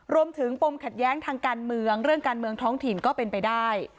ปมขัดแย้งทางการเมืองเรื่องการเมืองท้องถิ่นก็เป็นไปได้